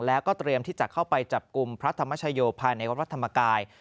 แล้วก็เตรียมที่จะเข้าไปจับกลุ่มพระธรรมชโยภายในวัดธรรมกาย